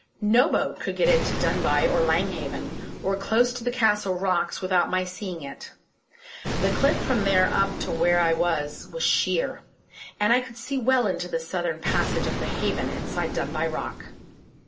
No boat could get into Dunbuy or Lang Haven, or close to the Castle rocks without my seeing it; the cliff from there up to where I was was sheer, and I could see well into the southern passage of the Haven inside Dunbuy Rock.